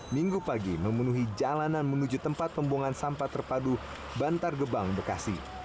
minggu pagi memenuhi jalanan menuju tempat pembuangan sampah terpadu bantar gebang bekasi